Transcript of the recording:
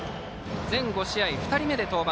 全５試合、２人目で登板。